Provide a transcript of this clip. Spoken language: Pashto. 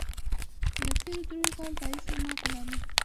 له تېرو دريو کالو راهيسې زما په نامه.